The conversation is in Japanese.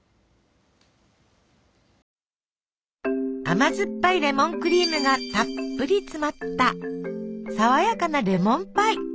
甘酸っぱいレモンクリームがたっぷり詰まったさわやかなレモンパイ！